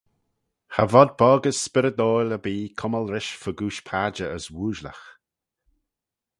Cha vod boggys spyrrydoil erbee cummal rish fegooish padjer as ooashlagh.